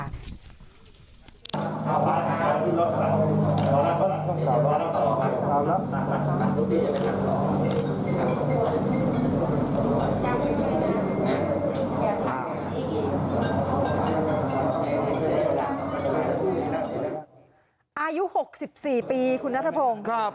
อายุหกสิบสี่ปีคุณนัททะพงครับ